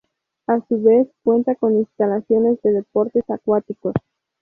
A su vez cuenta con instalaciones de deportes acuáticos.